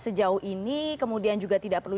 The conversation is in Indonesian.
sejauh ini kemudian juga tidak perlu